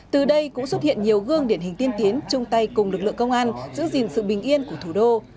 từ đây cũng xuất hiện nhiều gương điển hình tiên tiến chung tay cùng lực lượng công an giữ gìn sự bình yên của thủ đô